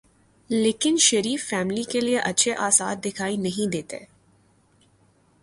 لیکن شریف فیملی کے لیے اچھے آثار دکھائی نہیں دیتے۔